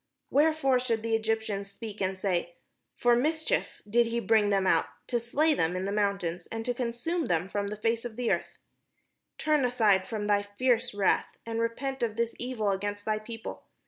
Wherefore should the Egyptians speak, and say, ' For mischief did he bring them out, to slay them in the mountains, and to consume them from the face of the earth'? Turn from thy fierce wrath, and repent of this evil against thy people.